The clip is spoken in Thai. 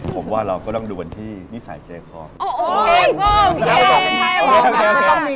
ผมว่าเราก็ต้องดูกันที่นิสัยใจคอ